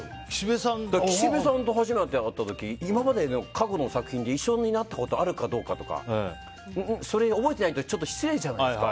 岸部さんと初めて会った時今まで、過去の作品で一緒になったことあるかどうかとかを覚えてないと失礼じゃないですか。